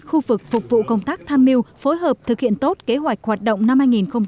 khu vực phục vụ công tác tham mưu phối hợp thực hiện tốt kế hoạch hoạt động năm hai nghìn hai mươi